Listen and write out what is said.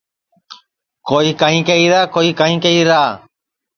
کوئی کائیں کہیرا کوئی کائیں کہیرا